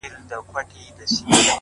هم دي د سرو سونډو په سر كي جـادو-